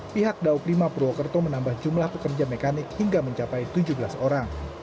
pihak daup lima purwokerto menambah jumlah pekerja mekanik hingga mencapai tujuh belas orang